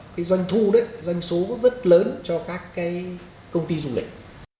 cái doanh thu đấy doanh số rất lớn cho các cái công ty du lịch